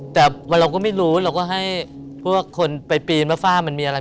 แต่เราก็ไม่รู้เราก็ให้พวกคนไปปีนว่าฝ้ามันมีอะไร